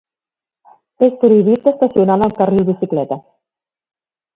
És prohibit d'estacionar en el carril bicicleta.